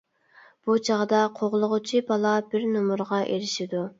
بۇ چاغدا قوغلىغۇچى بالا بىر نومۇرغا ئېرىشىدۇ.